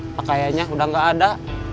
pakayanya udah nggak ada